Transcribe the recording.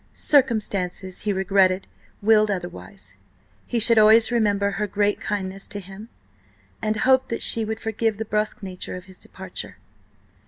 –Circumstances, he regretted, willed otherwise. He should always remember her great kindness to him, and hoped that she would forgive the brusque nature of his departure.